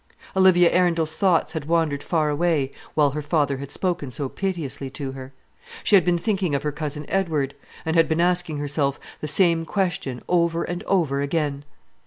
Olivia Arundel's thoughts had wandered far away while her father had spoken so piteously to her. She had been thinking of her cousin Edward, and had been asking herself the same question over and over again.